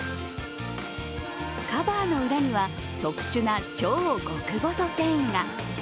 カバーの裏には特殊な超極細繊維が。